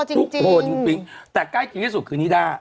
ทุกทุกโพลแต่ใกล้กิจวิสูจน์คือนิดา